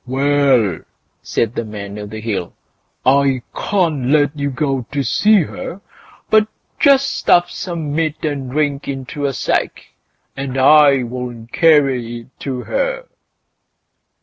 "Well!" said the Man o' the Hill, "I can't let you go to see her; but just stuff some meat and drink into a sack, and I'll carry it to her."